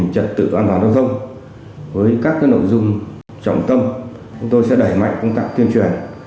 chúng tôi sẽ đẩy mạnh công tạp tiên truyền